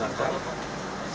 waduh pengen makan